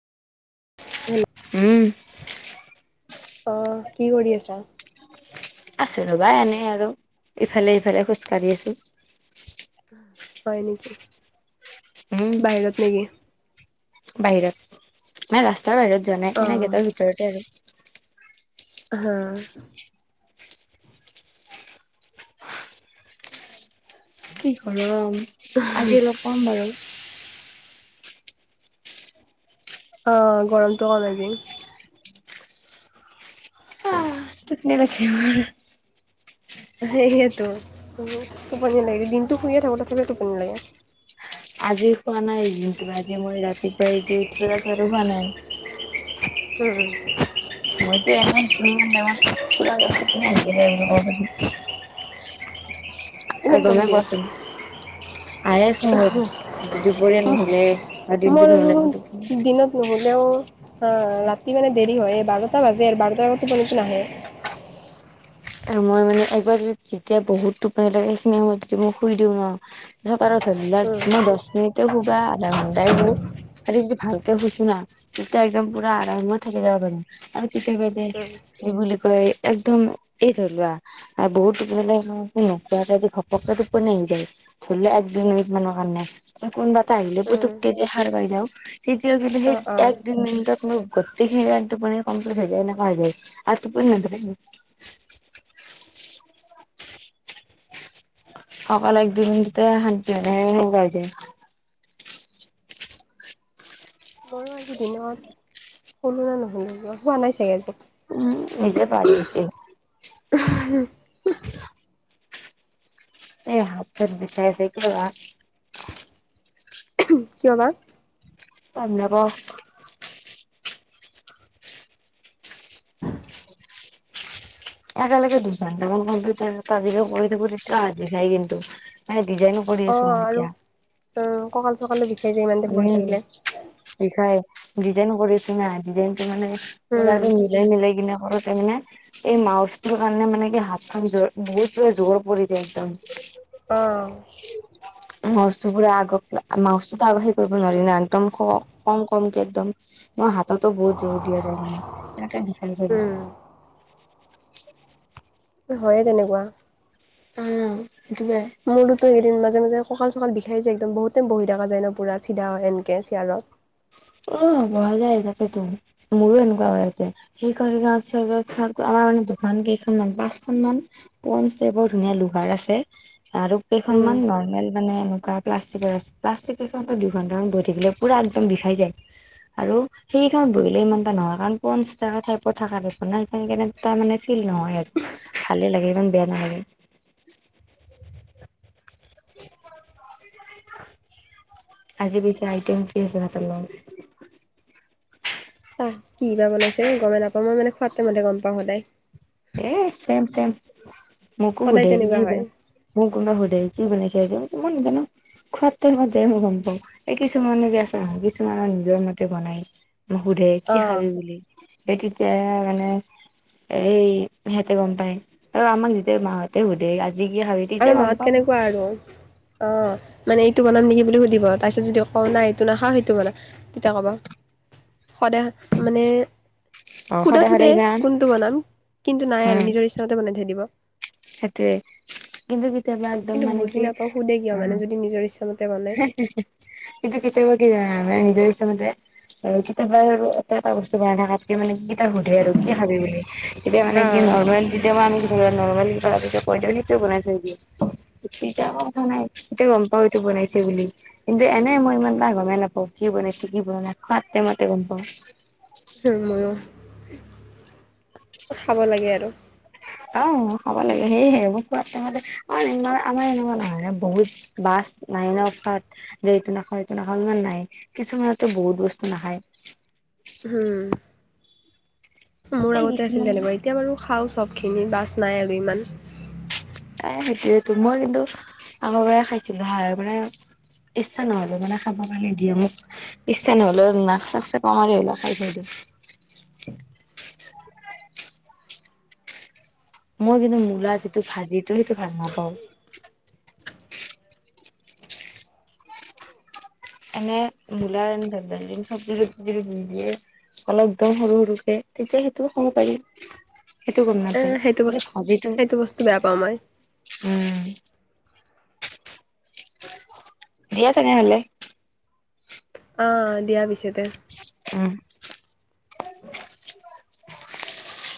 Hello উম। অহ কি কৰি আছা? আছোঁ ৰবা এনেই আৰু ইফালে সিফালে খোজ কাঢ়ি আছোঁ। [unintelligible] হয় নেকি। উম, বাহিৰত নেকি বাহিৰত। মানে ৰাস্তাৰ বাহিৰত যোৱা নাই, অ এনে গেটৰ ভিতৰতে আৰু। আহা। কি গৰম আজি অলপ কম বাৰু। অ গৰমটো কম আজি। [unintelligible] তখনে ৰাখে ম [unintelligible] সেইহে তো টোপনি লাগে দিনটো শুইয়ে থাকো তথাপিও টোপনি লাগে। আজি শুৱা নাই দিনটো আজি মই ৰাতিপুৱাই যি উঠিলো তাৰপাছত আৰু শুৱা নাই। উম হোম। মইটো এনেই তিনি ঘন্টা মান পোৰা টোপনিয়াই আছিলোঁ বুলি ক'ব পাৰি। ইমান এই গমে জল্দি পোৱাচোন। আহি আছে মোৰ যদি দুপৰীয়া নোশুলে বা দিনটো নোশুলে মোৰ টোপনি দিনত নোশুলেও আ ৰাতি মানে দেৰি হয়ে বাৰটা বাজে আৰু বাৰটাৰ আগত টোপনিটো নাহে। এ মই মানে একবাৰ যদি যেতিয়া বহুত টোপনি লাগে সেইখিনি সময়ত যদি মই শুই দিওঁ ন ধকাৰত ধৰিলা উম মই দছ মিনিটে শু বা আধা ঘন্টায়ে শুও আজি কিন্তু ভালকে শুনিছোঁ না। তেতিয়া একদম পুৰা আৰামত থাকি যাব পাৰিম আৰু কেতিয়াবা যে উম কি বুলি কয় একদম এই ধৰি লোৱা আৰু বহতলে কিনো ঘপকে টোপনি আহি যায় ধৰি ল এক দুই মিনিট মানৰ কাৰণে এ কোনোবা এটা আহিলে উম পুতুকে যে সাৰ পাই যাওঁ তেতিয়া যে অ সেই অ এক দুই মিনিটত মই গোটেইখিনি যেন টোপনি কম হৈ থাকে এনেকা হৈ যায় আৰু টোপনি নধৰে [inaudible] অকল এক দুই মিনিটয়ে শান্তি হয় সে সেনেকুৱা হৈ যায়। ময়ো আজি দিনত শুলোনে নোশুলো শুৱা নাই চাগে আজি উম নিজে পাহৰি গৈছি। উমহ হো। [unintelligible] এই হাত চাত বিষাইছে। কিয় বা? উমহ, কিয় বা? গম নাপাওঁ। একেলগে দোকানতাৰো কম্পিউটাৰো তাজিক কৰি কৰিজি খাই কিন্তু মানে ডিজাইনো [unintelligible] অ আৰু এতিয়া উম কঁকাল চকালো বিষ উম বিষাই ডিজাইন কৰিছোঁ না ডিজাইনটো মানে উম মূৰাটো মিলাই মিলাই কিনে কৰোঁ তামানে, এই মাউচটোৰ কাৰণে মানে কি হাতখন দ বহুত পুৰা জোৰ পৰি যায় একদম। অ। মাউচটো পুৰা আগ মাউচটো তাপাছত কৰিব নোৱাৰি না একদম ক কম কমকে একদম মোৰ হাতটো বহুত জোৰ দিয়া যায় মানে উম। হয়ে তেনেকুৱা। উম দোৱাই। মোৰোটো এদিন মাজে মাজে কঁকাল চকাল বিষাই যায় একদম বহুত টাইম বহি থকা যায় ন পুৰা চিধা হৈ সেনকে চেয়াৰত। অ বহা যায় তাকেটো মোৰো এনেকুৱা হয় আতে। সেইকাৰণে আছগে। ৰৈ থাক? আমাৰ মানে, দোকান কেইখনমান, পাঁচখন মান পোন ষ্টেপৰ ধুনীয়া লোহাৰ আছে আৰু উম, কেইখনমান নৰ্মেল মানে, এনেকুৱা প্লাষ্টিকৰ [unintelligible] প্লাষ্টিক কেইখনতো দুঘন্টামান ধৰি থাকিলে পুৰা একদম বিষাই যায়! আৰু সেইখন বহিলে ইমান এটা নহয়। কাৰণ, [unintelligible] সেইকাৰনে তাৰ মানে, ফিল নহয় আৰু। ভালে লাগে, ইমান বেয়া নালাগে! আজি পিছে আইটেম কি আছে ভাতৰ লগত? তাত, কিবা বনাইছে গমেই নাপাওঁ। মই মানে, খোৱাতো মানে, গম পাওঁ সদায়। এ, চেম, চেম। মোকো সদায় সোধে তেনেকুৱা হয়। [unintelligible] মোক কোনোবা সোধে! কি বনাইছা? মই নাজানোঁ। খোৱা টাইমতে যে মই গম পাওঁ। এই কিছুমানে যে, আছে, কিছুমানৰ নিজৰ মতে বনাই। সোধে কি অ', খাবি বুলি? সেই তেতিয়াই মানে, এই, সিহঁতে গম পাই আৰু আমাক যেতিয়া মাহঁতে সোধে আজি কি খাবি? তেতিয়া আমাৰ গম মাহঁত পাওঁ কেনেকুৱা আৰু? অ'! মানে, এইটো বনাম নেকি বুলি সুধিব? তাপিছত, যদি কওঁ নাই, এইটো নাখাওঁ সেইটো বনা তেতিয়া ক'ব! সদায় মানে, অ সদায় সোধাত সোধে সদায় ইমান কোনটো বনাম? কিন্তু, নাই আৰু নিজৰ ইচ্ছামতে বনাই থৈ দিব। সেইটোৱে! কিন্তু, কেতিয়াবা একদম, কিন্তু মানে বুজি কি? নাপাওঁ সোধে কিয় উম! মানে যদি নিজৰ ইচ্ছামতে মান হে! হে! হে! কিন্তু, কেতিয়াবা কি জানা? নিজৰ ইচ্ছামতে আৰু কেতিয়াবা আৰু এটা এটা বস্তু বনাই থাকাতকে মানে, কেইটা সোধে আৰু কি খাবি বুলি? তেতিয়া মানে কি? অ', নৰ্মেল, কেতিয়াবা আমি নর্মেল কিবা এ, কৈ দিওঁ সেইটোও বনাই থৈ দিয়ে। [unintelligible] কথা নাই। এইটোৱে গম পাওঁ এইটো বনাইছে ছে বুলি। কিন্তু, এনেই মই ইমানটা গমেই নাপাওঁ। কি বনাইছে, কি বনোৱা নাই, খোৱা টাইমতে গম পাওঁ। মইয়ো, খাব লাগে আৰু। অ'! খাব লাগে। সেয়েহে, মোৰ খোৱা টাইমতে, অ'! আমাৰ এনেকুৱা নহয় এ, বহুত বাছ নাই ন' তাত? দে এইটো নাখাওঁ, এইটো নাখাওঁ ইমান নাই, কিছুমানেতো বহুত বস্তু নাখায়। হোঁ! মোৰ সেই আগতে আছিল কিছুমান তেনেকুৱা। ই ইতিয়া বাৰু খাওঁ চব খিনি। বাছ নাই আৰু ইমান। এ, সেইটোৱেতো! মই কিন্তু, আগৰ পৰাই খাইছিলোঁ। [unintelligible] মানে, ইচ্ছা নহ'লেও মানে, খাব কাৰনে দিয়ে মোক। ইচ্ছা নহ'লেও, নাক চাক চেপা মাৰি হ'লেও খাই থৈ দিয়ে। মই কিন্তু, মূলা যিটো ভাজিতো সেইটো ভাল নাপাওঁ! এনে, মূলাৰ এনকে [unintelligible] অলপ [unintelligible] সৰু, সৰুকে। তেতিয়া, সেইটো খাব পাৰি। সেইটো গম এ নাপায়। সেইটো মানে, বস্তু আজিটো, সেইটো বস্তু বেয়া পাওঁ মই উম! দিয়া তেনেহ'লে। অ'! দিয়া পিছতে। উম!